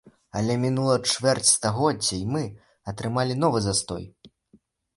Але мінула чвэрць стагоддзя, і мы атрымалі новы застой.